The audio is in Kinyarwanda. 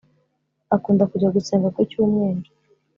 akunda kujya gusenga kucyumweru